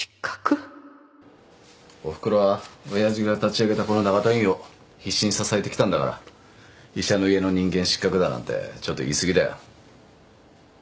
おふくろは親父が立ち上げたこの永田医院を必死に支えてきたんだから医者の家の人間失格だなんてちょっと言い過ぎだよ。